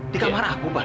di kamar aku pak